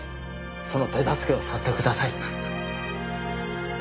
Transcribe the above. その手助けをさせてください。